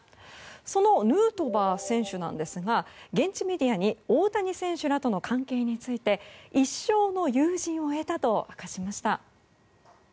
そのヌートバー選手なんですが現地メディアに大谷選手らとの関係について一生の友人を得たと明かしました。